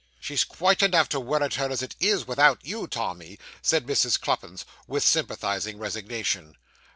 'She's quite enough to worrit her, as it is, without you, Tommy,' said Mrs. Cluppins, with sympathising resignation.